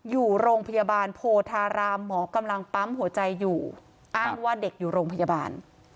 อยู่โรงพยาบาลโพธารามหมอกำลังปั๊มหัวใจอยู่อ้างว่าเด็กอยู่โรงพยาบาล